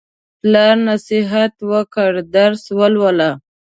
پلار نصیحت وکړ: درس ولوله.